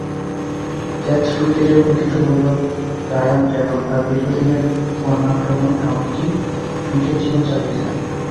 Test ক্রিকেটে উপেক্ষিত হলেও ব্রায়ান টেলর তার দীর্ঘদিনের বর্ণাঢ্যময় কাউন্টি ক্রিকেট জীবন চালিয়ে যান।